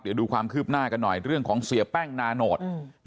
เดี๋ยวดูความคืบหน้ากันหน่อยเรื่องของเสียแป้งนาโนต